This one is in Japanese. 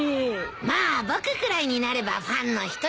まあ僕くらいになればファンの１人や２人いるさ。